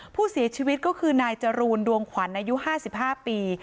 ผู้เสียชีวิตก็คือนายจรูนดวงขวัญอายุ๕๕ปี